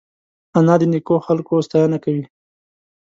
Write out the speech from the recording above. انا د نیکو خلکو ستاینه کوي